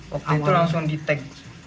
waktu itu langsung di take